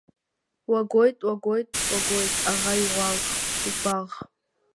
Уагоит, уагоит, уагоит аӷа игәаӷ.